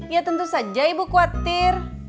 ya tentu saja ibu khawatir